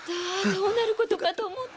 どうなることかと思った。